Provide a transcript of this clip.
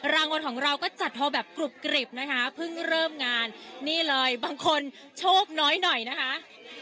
รางวัลของเราก็จัดโทรแบบกรุบกริบนะคะเพิ่งเริ่มงานนี่เลยบางคนโชคน้อยหน่อยนะคะ